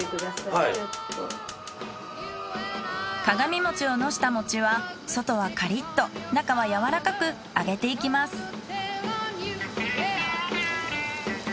鏡餅をのした餅は外はカリッと中は柔らかく揚げていきます。